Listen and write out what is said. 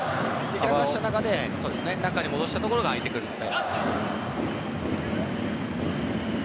開かせた中、中に戻したところで空いてくるので。